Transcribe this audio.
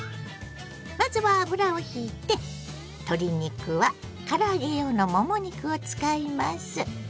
まずは油をひいて鶏肉はから揚げ用のもも肉を使います。